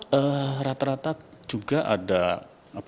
kebanyakan karena serangan jantung atau apa